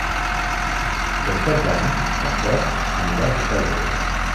Per Cap d'Any en Pep anirà a Setaigües.